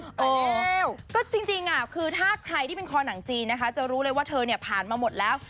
อ่าวจริงอ่ะถ้าใครที่เป็นคอนั่งจีนจะรู้เลยว่าเธอพาลมาหมดแล้ว